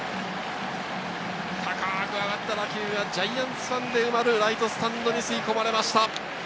高く上がった打球はジャイアンツファンで埋まるライトスタンドに吸い込まれました。